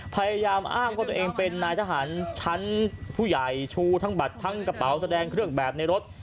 พยายามอ้างว่าตัวเองเป็นนายทหารชั้นผู้ใหญ่ชูทั้งบัตรทั้งกระเป๋าแสดงเครื่องแบบในรถ